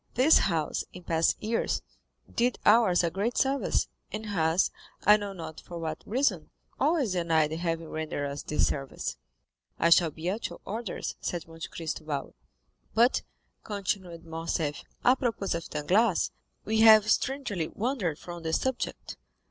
This house, in past years, did ours a great service, and has, I know not for what reason, always denied having rendered us this service." "I shall be at your orders," said Monte Cristo bowing. "But," continued Morcerf, "à propos of Danglars,—we have strangely wandered from the subject.